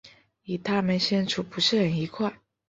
与他们相处不是很愉快